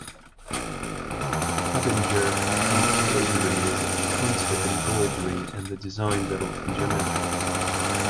Hardanger embroidery is a counted embroidery and the designs are often geometric.